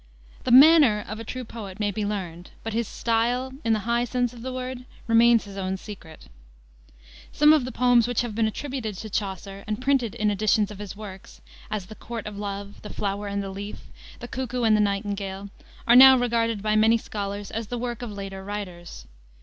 The manner of a true poet may be learned, but his style, in the high sense of the word, remains his own secret. Some of the poems which have been attributed to Chaucer and printed in editions of his works, as the Court of Love, the Flower and the Leaf, the Cuckow and the Nightingale, are now regarded by many scholars as the work of later writers.